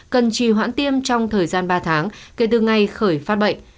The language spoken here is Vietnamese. cần trì hoãn tiêm trong thời gian ba tháng kể từ ngày khởi phát bệnh